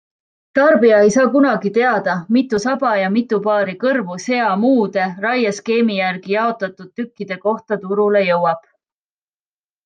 Tarbija ei saa kunagi teada, mitu saba ja mitu paari kõrvu sea muude, raieskeemi järgi jaotatud tükkide kohta turule jõuab.